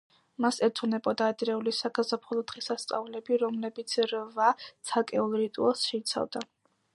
მას ეძღვნებოდა ადრეული საგაზაფხულო დღესასწაულები, რომლებიც რვა ცალკეულ რიტუალს შეიცავდა.